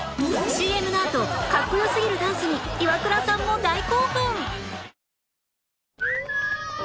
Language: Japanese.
ＣＭ のあとかっこ良すぎるダンスにイワクラさんも大興奮！